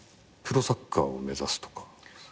プロサッカーを目指すとか？